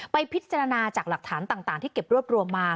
ไปพิจารณาจากหลักฐานต่างที่เก็บรวบรวมมา